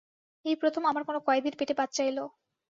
এই প্রথম আমার কোন কয়েদীর পেটে বাচ্চা এলো।